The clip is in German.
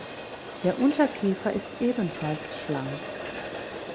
Der Unterkiefer ist ebenfalls schlank.